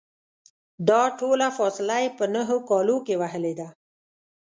دا ټوله فاصله یې په نهو کالو کې وهلې ده.